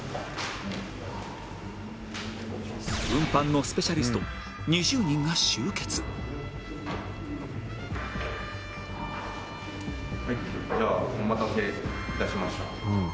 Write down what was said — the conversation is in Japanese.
運搬のスペシャリスト２０人が集結ではお待たせ致しました。